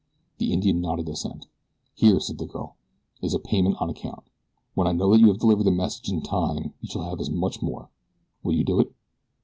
The Indian nodded assent. "Here," said the girl, "is a payment on account. When I know that you delivered the message in time you shall have as much more. Will you do it?"